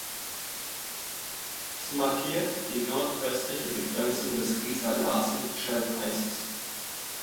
Es markiert die nordöstliche Begrenzung des Riiser-Larsen-Schelfeises.